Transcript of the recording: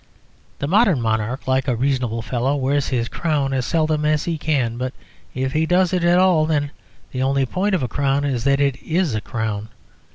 The modern monarch, like a reasonable fellow, wears his crown as seldom as he can; but if he does it at all, then the only point of a crown is that it is a crown.